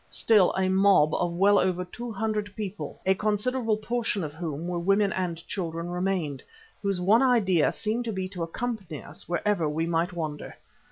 Still a mob of well over two hundred people, a considerable portion of whom were women and children, remained, whose one idea seemed to be to accompany us wherever we might wander.